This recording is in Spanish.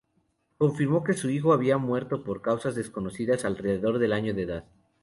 Confirmó que su hijo había muerto por causas desconocidas alrededor del año de edad.